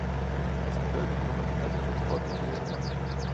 La actividad diplomática de Suffolk siguió adelante.